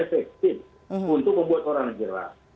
efektif untuk membuat orang jerah